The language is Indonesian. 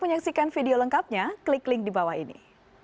menyaksikan video lengkapnya klik link di bawah ini